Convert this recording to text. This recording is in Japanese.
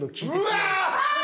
うわ！